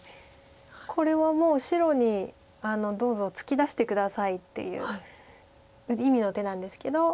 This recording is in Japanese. これはもう白にどうぞ突き出して下さいっていう意味の手なんですけど。